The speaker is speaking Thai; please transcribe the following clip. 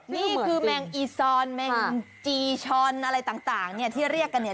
นี่คือแมงอีซอนแมงจีชอนอะไรต่างเนี่ยที่เรียกกันเนี่ย